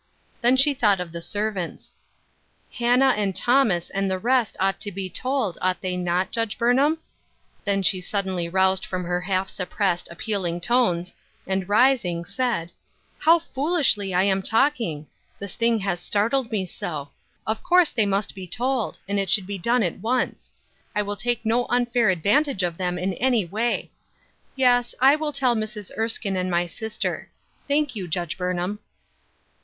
Then she thought of the servants. " Hannah and Thomas and the rest ought to be told, ought they not, Judge A Neioly'Shaped Cross, 179 Bomham?" Then she suddenly roused from her half suppressed, appealing tones, ana risn^g, Baid, " How foolishly I am talking ! This thing has startled me so. Of course they must be told ; and it should be done at once ; I will take no unfair advantage of them in any way. Yes, I will tell Mrs. Erskine and my sister. Thank you. Judge Burnham."